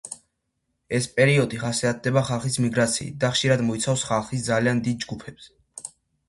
ეს პერიოდი ხასიათდება ხალხის მიგრაციით და ხშირად მოიცავს ხალხის ძალიან დიდ ჯგუფებს.